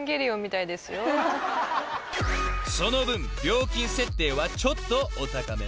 ［その分料金設定はちょっとお高め］